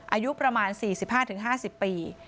อายุประมาณ๔๕๕๐ปี